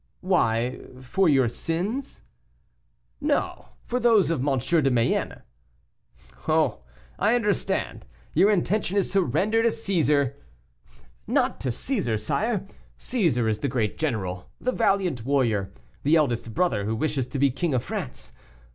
"Why for your sins?" "No, for those of M. de Mayenne." "Oh! I understand; your intention is to render to Cæsar " "Not to Cæsar, sire Cæsar is the great general, the valiant warrior, the eldest brother, who wishes to be king of France.